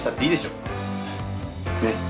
ねっ。